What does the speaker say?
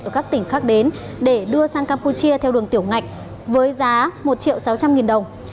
ở các tỉnh khác đến để đưa sang campuchia theo đường tiểu ngạch với giá một triệu sáu trăm linh nghìn đồng